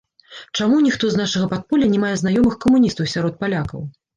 Чаму ніхто з нашага падполля не мае знаёмых камуністаў сярод палякаў?